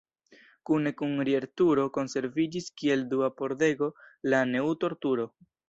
Kune kun Ried-turo konserviĝis kiel dua pordego la Neutor-turo.